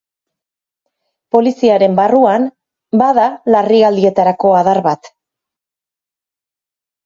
Poliziaren barruan bada larrialdietarako adar bat.